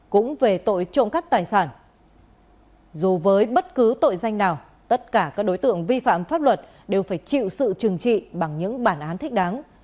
cũng về tội trộm cắt tài sản dù với bất cứ tội danh nào tất cả các đối tượng vi phạm pháp luật đều phải chịu sự trừng trị bằng những bản án thích đáng